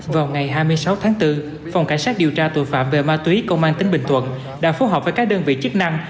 vào ngày hai mươi sáu tháng bốn phòng cảnh sát điều tra tội phạm về ma túy công an tỉnh bình thuận đã phối hợp với các đơn vị chức năng